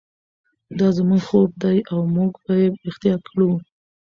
دا زموږ خوب دی او موږ به یې ریښتیا کړو.